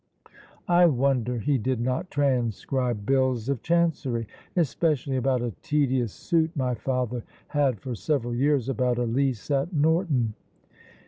I wonder he did not transcribe bills of Chancery, especially about a tedious suit my father had for several years about a lease at Norton."